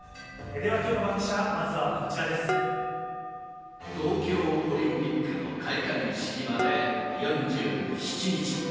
ではきょうのバンキシャ、東京オリンピックの開会式まで４７日。